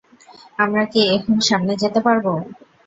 আমরা কি এখন সামনে যেতে পারব?